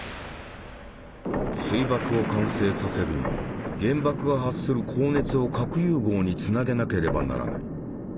水爆を完成させるには原爆が発する高熱を核融合につなげなければならない。